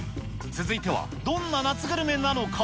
続いては、どんな夏グルメなのか。